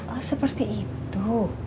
oh seperti itu